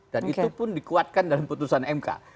dan itu pun dikuatkan dalam keputusan mk